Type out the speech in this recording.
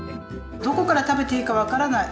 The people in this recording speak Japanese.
どこから食べていいかわからない。